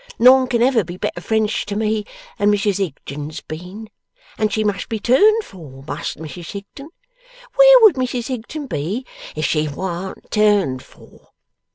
None can ever be better friends to me than Mrs Higden's been. And she must be turned for, must Mrs Higden. Where would Mrs Higden be if she warn't turned for!